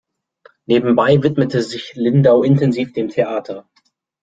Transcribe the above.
Nebenbei widmete sich Lindau intensiv dem Theater.